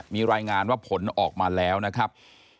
มีรายงานว่าผลออกมาแล้วนะครับ